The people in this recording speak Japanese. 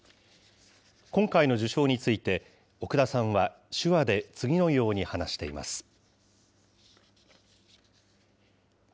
今回の受賞について、奥田さんは手話で次のように話しています。